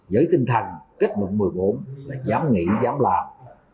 giới tinh thần kết mục một mươi bốn là dám nghĩ dám làm